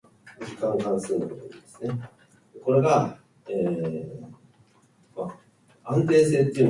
積分